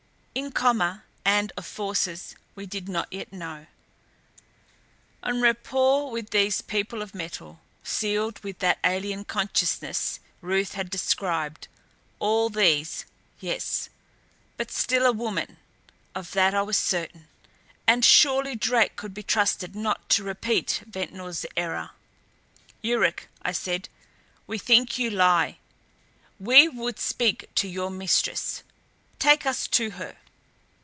In command of forces we did not yet know, en rapport with these People of Metal, sealed with that alien consciousness Ruth had described all these, yes. But still a woman of that I was certain. And surely Drake could be trusted not to repeat Ventnor's error. "Yuruk," I said, "we think you lie. We would speak to your mistress. Take us to her."